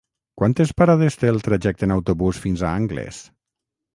Quantes parades té el trajecte en autobús fins a Anglès?